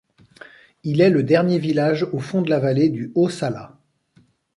Il est le dernier village au fond de la vallée du haut-Salat.